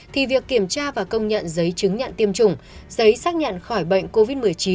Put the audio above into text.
thì việc kiểm tra và công nhận giấy chứng nhận tiêm chủng giấy xác nhận khỏi bệnh covid một mươi chín